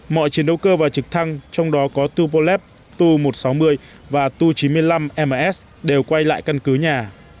mọi chiến đấu cơ và trực thăng trong đó có tuvollev to một trăm sáu mươi và tu chín mươi năm ms đều quay lại căn cứ nhà